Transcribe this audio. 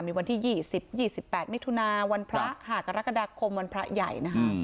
มีวันที่๒๐๒๘มิถุนาวันพระ๕กรกฎาคมวันพระใหญ่นะคะ